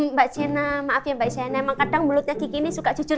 mbak sienna maaf ya mbak sienna emang kadang mulutnya kiki ini suka jujur